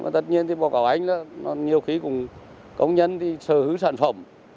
tất nhiên báo cáo anh nhiều khi cũng công nhân sở hữu sản phẩm